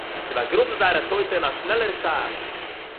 צו באַגראָבן זייערע טויטע אין אַ שנעלער צייט